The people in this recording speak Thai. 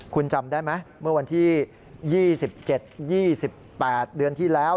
คุณจำได้ไหมเมื่อวันที่๒๗๒๘เดือนที่แล้ว